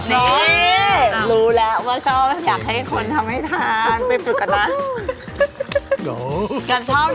นี่รู้แล้วว่าชอบอยากให้คนทำให้ทานเป็นปกตินะ